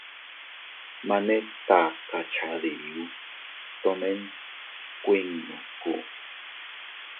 Mane taka cha diu, tomen kuinnu sku.